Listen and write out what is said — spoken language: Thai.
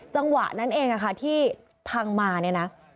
จังหวะนั้นเองค่ะที่พังมาเนี่ยนะ